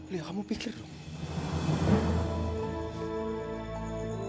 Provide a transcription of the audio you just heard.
lia kamu pikir dong